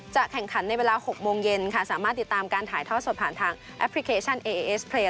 แข่งขันในเวลา๖โมงเย็นค่ะสามารถติดตามการถ่ายทอดสดผ่านทางแอปพลิเคชันเอเอสเพลย์